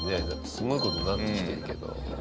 すごい事になってきてるけど。